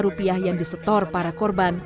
rupiah yang disetor para korban